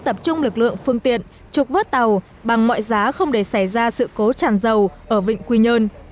tập trung lực lượng phương tiện trục vớt tàu bằng mọi giá không để xảy ra sự cố tràn dầu ở vịnh quy nhơn